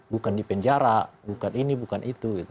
bukan di penjara bukan ini bukan itu